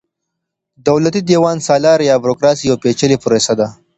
دولتي دېوان سالاري يا بروکراسي يوه پېچلې پروسه ده.